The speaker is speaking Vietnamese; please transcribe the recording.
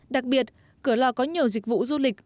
đặc biệt cửa lò có nhiều dịch vụ du lịch